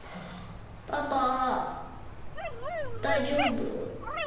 パパ大丈夫？